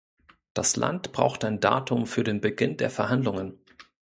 Das Land braucht ein Datum für den Beginn der Verhandlungen.